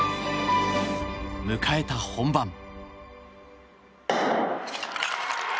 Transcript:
迎えた本番。